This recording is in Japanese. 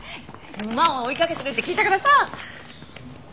馬を追いかけてるって聞いたからさ。